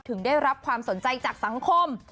ถึงได้รับความสนใจจากสังคม